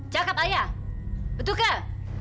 cakap ayah betulkah